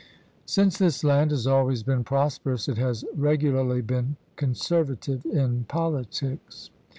Since this land has always been prosperous, it has regularly been conservative in politics.